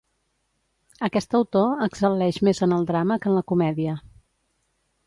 Aquest autor excel·leix més en el drama que en la comèdia.